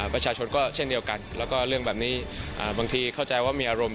ประชาชนก็เช่นเดียวกันแล้วก็เรื่องแบบนี้บางทีเข้าใจว่ามีอารมณ์